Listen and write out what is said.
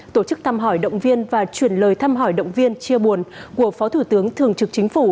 tổ chức thăm hỏi động viên và chuyển lời thăm hỏi động viên chia buồn của phó thủ tướng thường trực chính phủ